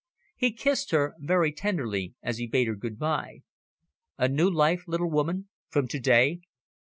He kissed her very tenderly, as he bade her good bye. "A new life, little woman, from to day?"